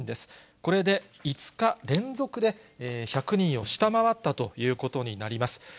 これで５日連続で１００人を下回ったということになります。